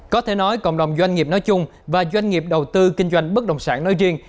có thể nói cộng đồng doanh nghiệp nói chung và doanh nghiệp đầu tư kinh doanh bất động sản nói riêng